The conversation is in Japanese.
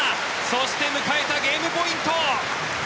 そして迎えたゲームポイント。